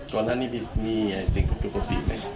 ก่อนหน้านี้มีเสียงปกติอีกไหมคะ